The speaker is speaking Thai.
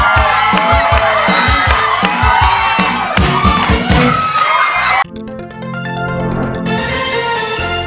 โปรดติดตามตอนต่อไป